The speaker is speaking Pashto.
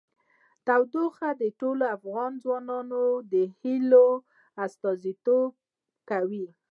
تودوخه د ټولو افغان ځوانانو د هیلو استازیتوب کوي.